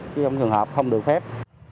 trong trường hợp không được phép